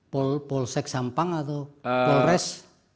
pol polsek sampang atau polres